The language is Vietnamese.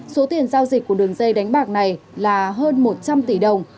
số tiền giao dịch của đường dây đánh bạc này là hơn một trăm linh tỷ đồng